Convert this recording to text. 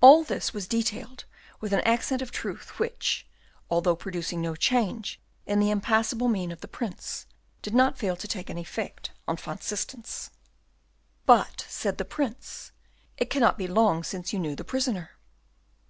All this was detailed with an accent of truth which, although producing no change in the impassible mien of the Prince, did not fail to take effect on Van Systens. "But," said the Prince, "it cannot be long since you knew the prisoner."